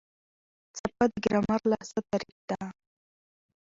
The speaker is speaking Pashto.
څپه د ګرامر لحاظه تعریف ده.